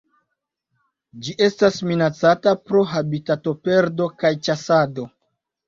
Ĝi estas minacata pro habitatoperdo kaj ĉasado.